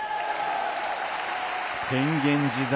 変幻自在。